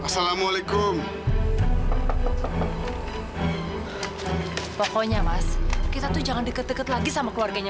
sampai jumpa di video selanjutnya